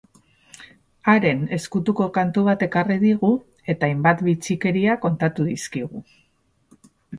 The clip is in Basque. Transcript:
Haren ezkutuko kantu bat ekarri digu, eta hainbat bitxikeria kontatu dizkigu.